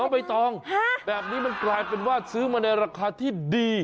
ใบตองแบบนี้มันกลายเป็นว่าซื้อมาในราคาที่ดี